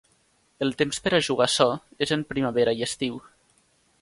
El temps per a jugar açò és en primavera i estiu.